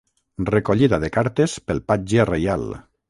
Recollida de cartes pel Patge reial.